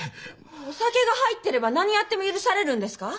お酒が入ってれば何やっても許されるんですか？